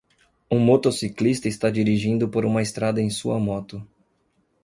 Um motociclista está dirigindo por uma estrada em sua moto.